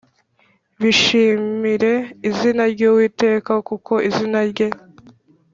Bishimire izina ry Uwiteka Kuko izina rye